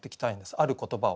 ある言葉を。